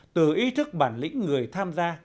từ ý thức bản lĩnh người tham gia